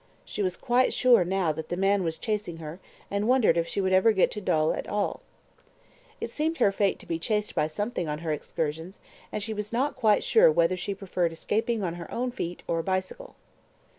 She was quite sure now that the man was chasing her, and wondered if she would ever get to Dol at all. It seemed to be her fate to be chased by something on her excursions, and she was not quite sure whether she preferred escaping on her own feet or a bicycle.